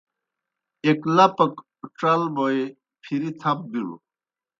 ایْک لپَک ڇل بوئے پھری تھپ بِلوْ۔